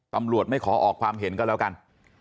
ตำรวจไม่ขอออกความเห็นก็แล้วกัน